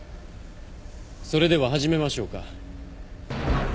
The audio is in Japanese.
それでは始めましょうか。